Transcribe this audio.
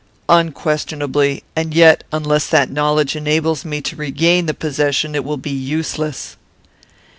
"Unquestionably; and yet, unless that knowledge enables me to regain the possession, it will be useless."